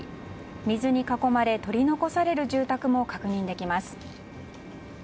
水に囲まれ取り残される住宅も確認できます。